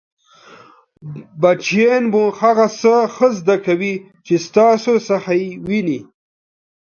بچیان مو هغه څه ښه زده کوي چې ستاسو څخه يې ویني!